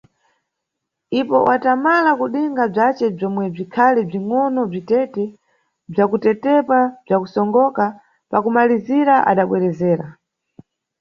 Ipo watamala kudinga bzace bzomwe bzikhali bzingʼono bzi tete, bzakutetepa bza kusongoka, pa kumalizira adabwerezera.